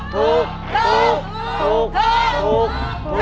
ถูก